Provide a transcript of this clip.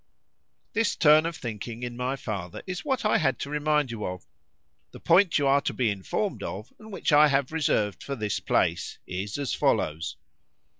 This turn of thinking in my father, is what I had to remind you of:—The point you are to be informed of, and which I have reserved for this place, is as follows.